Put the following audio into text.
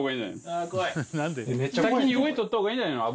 先に上取った方がいいんじゃないの？